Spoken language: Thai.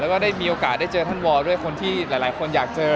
แล้วก็ได้มีโอกาสได้เจอท่านวอร์ด้วยคนที่หลายคนอยากเจอ